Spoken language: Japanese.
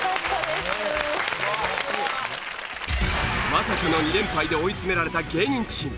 すごい！まさかの２連敗で追い詰められた芸人チーム。